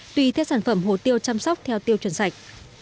tùy theo sản phẩm hồ tiêu chăm sóc theo tiêu chuẩn sạch